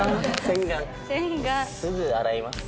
すぐ洗います。